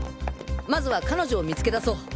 まずは彼女を見つけ出そう。